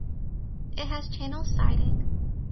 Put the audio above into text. It has channel siding.